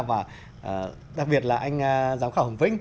và đặc biệt là anh giám khảo hồng vĩnh